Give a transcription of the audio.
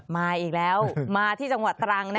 มาอีกแล้วมาที่จังหวัดตรัง